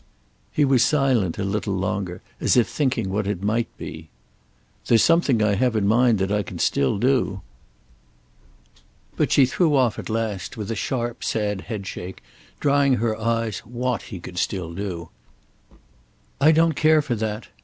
He was silent a little longer, as if thinking what it might be. "There's something I have in mind that I can still do." But she threw off at last, with a sharp sad headshake, drying her eyes, what he could still do. "I don't care for that.